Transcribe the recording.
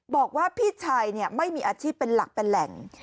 บอกว่าพี่ชายไม่มีอาชีพเป็นหลักเป็นแหล่ง